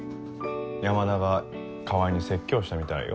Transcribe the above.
山田が川合に説教したみたいよ。